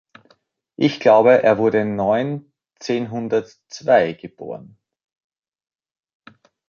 Ich glaube er wurde neunzehnhundertzwei geboren.